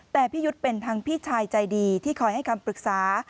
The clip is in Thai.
แต่พิชยธรณจันทร์เป็นทางพี่ชายใจดีที่คอยให้คำปรึกษา